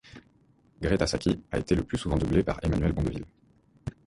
Greta Scacchi a été le plus souvent doublée par Emmanuelle Bondeville.